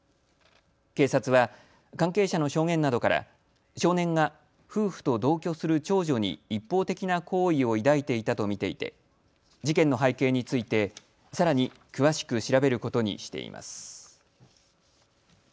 警察は関係者の証言などから少年が夫婦と同居する長女に一方的な好意を抱いていたと見ていて事件の背景についてさらに詳しく調べることにしています。